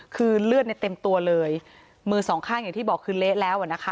คือเลือดในเต็มตัวเลยมือสองข้างอย่างที่บอกคือเละแล้วอ่ะนะคะ